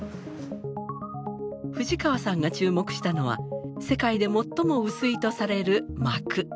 藤川さんが注目したのは世界で最も薄いとされる膜。